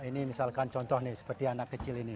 ini misalkan contoh nih seperti anak kecil ini